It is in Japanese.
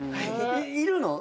いるの？